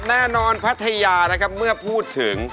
แน่นอนพัทยานะครับเมื่อพูดถึง